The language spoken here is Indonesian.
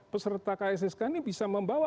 peserta kssk ini bisa membawa